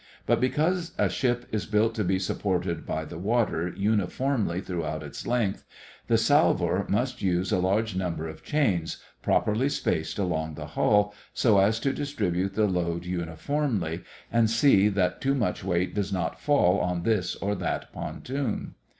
But because a ship is built to be supported by the water uniformly throughout its length, the salvor must use a large number of chains, properly spaced along the hull, so as to distribute the load uniformly and see that too much weight does not fall on this or that pontoon.